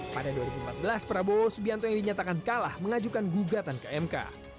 pada dua ribu empat belas prabowo subianto yang dinyatakan kalah mengajukan gugatan ke mk